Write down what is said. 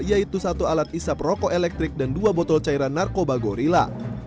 yaitu satu alat isap rokok elektrik dan dua botol cairan narkoba gorilla